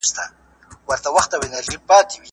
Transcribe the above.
اقتصادي پرمختيا د نوو وسايلو کارولو ته وايي.